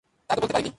তা তো বলতে পারি নে।